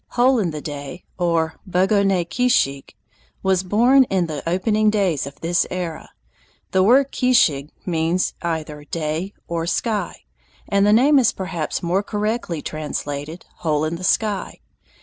Hole in the Day (or Bug o nay ki shig) was born in the opening days of this era. The word "ki shig" means either "day" or "sky", and the name is perhaps more correctly translated Hole in the Sky.